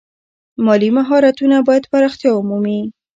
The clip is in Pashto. مالي مهارتونه باید پراختیا ومومي.